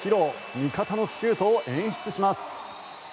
味方のシュートを演出します。